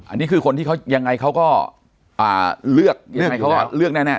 อันนี้คือคนที่ยังไงเขาก็เลือกแน่